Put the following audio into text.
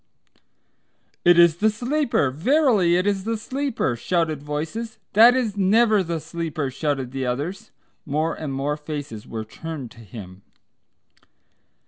"It is the Sleeper. Verily it is the Sleeper," shouted voices. "That is never the Sleeper," shouted others. More and more faces were turned to him.